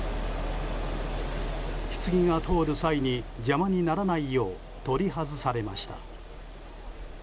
ひつぎが通る際に邪魔にならないよう取り外されました。